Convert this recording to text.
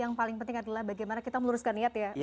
yang paling penting adalah bagaimana kita meluruskan niat ya